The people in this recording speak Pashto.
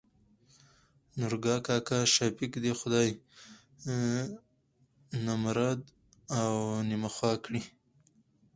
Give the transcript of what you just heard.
نورګا کاکا : شفيق د خداى نمراد او نيمه خوا کړي.